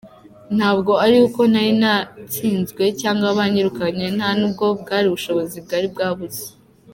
Ntabwo ari uko nari natsinzwe cyangwa banyirukanye nta n’ubwo bwari ubushobozi bwari bwabuze.